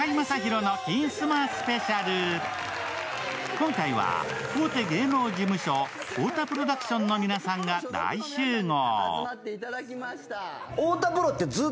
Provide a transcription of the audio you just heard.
今回は、大手芸能事務所、太田プロダクションの皆さんが大集合。